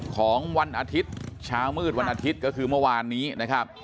ของวันอาทิตย์เช้ามืดวันอาทิตย์ก็คือเมื่อวานนี้นะครับ